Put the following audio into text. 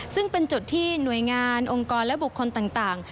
ซึ่งเป็นจุดที่หน่วยงานองค์กรและบุคคลต่าง